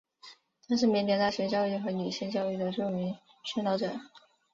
他是缅甸大学教育和女性教育的著名宣导者。